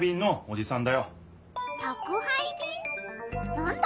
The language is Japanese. なんだ？